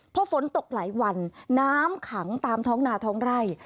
พอฝนตกหลายวันน้ำขังตามท้องนาท้องไร่